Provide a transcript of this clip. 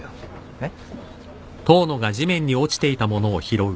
えっ？